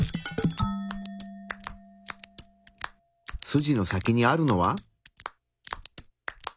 筋の先にあるのは？